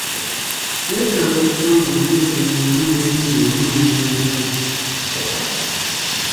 Weetaaga okuba ng'omubiri gwo mulamu bulungi wamu n'obwongo.